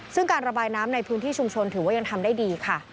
ซึ่งการระบายน้ำในพื้นที่ชุมชนถือว่ายังทำได้ดีค่ะ